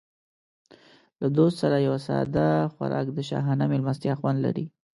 له دوست سره یو ساده خوراک د شاهانه مېلمستیا خوند لري.